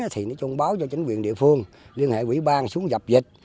thì nói chung báo cho chính quyền địa phương liên hệ quỹ ban xuống dập dịch